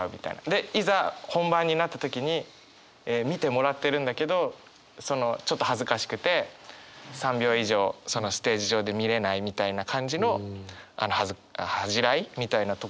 でいざ本番になった時に見てもらってるんだけどちょっと恥ずかしくて３秒以上そのステージ上で見れないみたいな感じの恥じらいみたいなところも出てて。